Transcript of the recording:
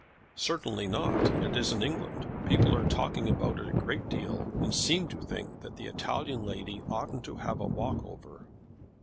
"Certainly not; and it isn't England. People are talking about it a great deal, and seem to think that the Italian lady oughtn't to have a walk over."